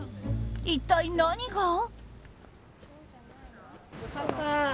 一体何が？